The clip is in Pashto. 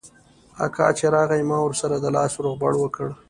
اکا چې راغى ما ورسره د لاس روغبړ وکړ.